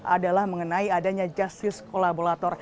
adalah mengenai adanya justice kolaborator